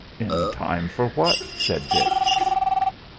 "In time for what?" said Dix.